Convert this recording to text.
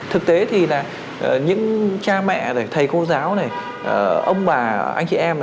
thực tế thì là những cha mẹ thầy cô giáo ông bà anh chị em